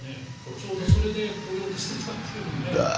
ちょうどそれで来ようとしていたというのにね。